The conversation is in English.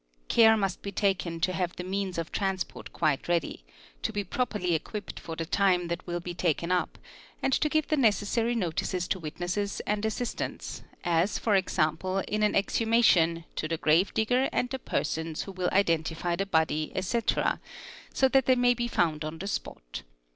Care must be taken to have the means of ransport quite ready, to be properly equipped for the time that will be aken up, and to give the necessary notices to witnesses and assistants, s, for example, in an exhumation to the grave digger and the persons who will identify the body, etc., so that they may be found on the spot.